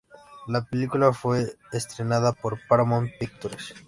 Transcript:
La película fue estrenada por Paramount Pictures.